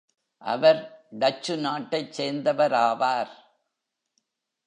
அவர் Dutch நாட்டைச் சேர்ந்தவராவார்.